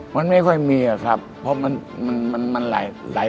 มันไม่ค่อยมีครับเพราะมันหลายบัตร